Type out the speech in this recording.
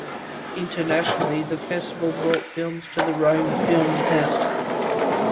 Internationally, the Festival brought films to the Rome Film Fest.